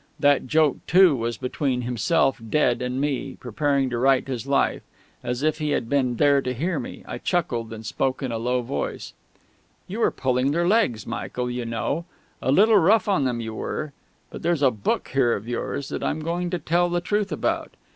That joke, too, was between himself, dead, and me, preparing to write his "Life." As if he had been there to hear me, I chuckled, and spoke in a low voice. "You were pulling their legs, Michael, you know. A little rough on them you were. But there's a book here of yours that I'm going to tell the truth about.